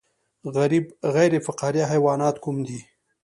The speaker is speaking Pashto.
غیر فقاریه حیوانات کوم دي